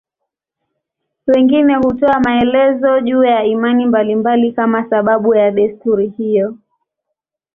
Wengine hutoa maelezo juu ya imani mbalimbali kama sababu ya desturi hiyo.